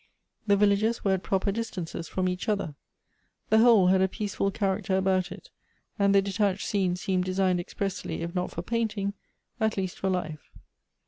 The villages were at ]i;()per distances from each other. The whole had a j)(',;ecful character about it, and the detached scenes .seemed designed expressly, if not for painting, at least for life.